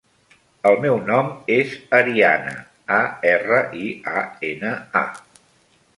El meu nom és Ariana: a, erra, i, a, ena, a.